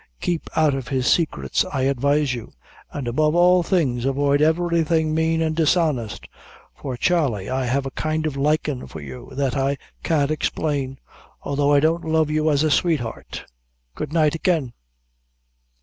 Keep out of his saicrets I advise you; an', above all things, avoid everything mane an' dishonest; for, Charley, I have a kind o' likin' for you that I can't explain, although I don't love you as a sweetheart. Good night again!"